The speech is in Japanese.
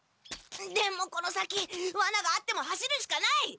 でもこの先ワナがあっても走るしかない！